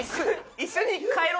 一緒に帰ろう！